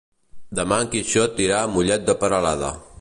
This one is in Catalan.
Demà en Quixot irà a Mollet de Peralada.